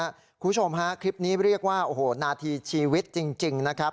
คุณผู้ชมฮะคลิปนี้เรียกว่าโอ้โหนาทีชีวิตจริงนะครับ